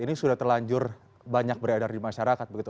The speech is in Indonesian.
ini sudah terlanjur banyak beredar di masyarakat begitu